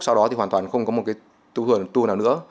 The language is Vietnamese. sau đó thì hoàn toàn không có một cái tour nào nữa